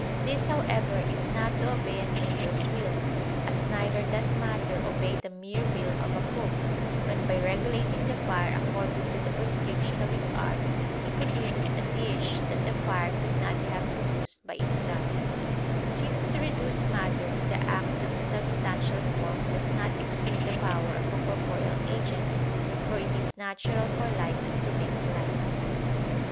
This, however, is not to obey an angel's will (as neither does matter obey the mere will of a cook, when by regulating the fire according to the prescription of his art he produces a dish that the fire could not have produced by itself); since to reduce matter to the act of the substantial form does not exceed the power of a corporeal agent; for it is natural for like to make like.